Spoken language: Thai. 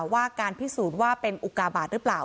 ว่าการพิสูจน์ว่าเป็นอุกาบาทหรือเปล่า